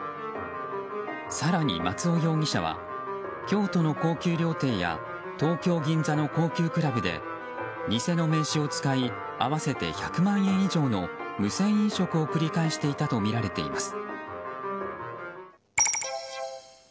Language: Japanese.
更に、松尾容疑者は京都の高級料亭や東京・銀座の高級クラブで偽の名刺を使い合わせて１００万円以上の無銭飲食を繰り返していたとみられています。